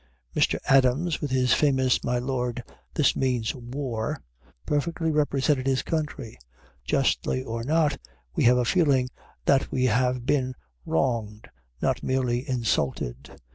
Mr. Adams, with his famous "My Lord, this means war," perfectly represented his country. Justly or not, we have a feeling that we have been wronged, not merely insulted.